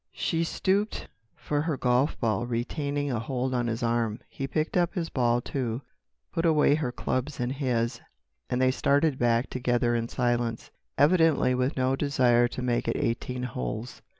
She stooped for her golf ball, retaining a hold on his arm. He picked up his ball, too, put away her clubs and his, and they started back together in silence, evidently with no desire to make it eighteen holes.